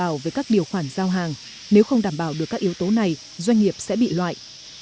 đảm bảo về các điều khoản giao hàng nếu không đảm bảo được các yếu tố này doanh nghiệp sẽ bị loại